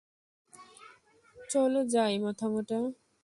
চলো যাই, মাথামোটা।